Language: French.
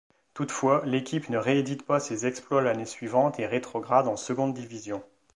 Toutefois, l’équipe ne réédite pas ses exploits l’année suivante et rétrograde en seconde division.